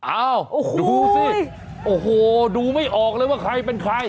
อ้าวดูสิโอ้โหดูไม่ออกเลยว่าใครเป็นใคร